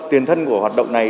tiền thân của hoạt động này